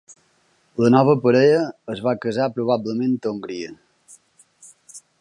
La nova parella es va casar probablement a Hongria.